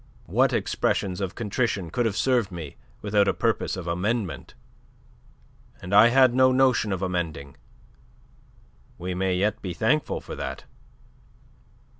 What expressions of contrition could have served me without a purpose of amendment? And I had no notion of amending. We may yet be thankful for that."